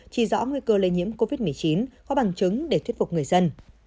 chỉ rõ nguy cơ lây nhiễm covid một mươi chín có bằng chứng để thuyết phục người dân